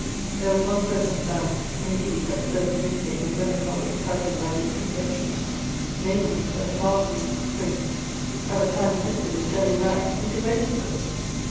There was one circumstance, indeed, that served to mitigate the melancholy excited by these reflections; namely, that a part of these springs have, at times, assisted in turning rags into Registers!